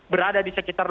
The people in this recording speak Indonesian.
berada di sekitarnya